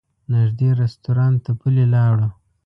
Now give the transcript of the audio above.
نږدې رسټورانټ ته پلي لاړو.